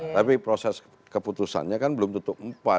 tapi proses keputusannya kan belum tutup empat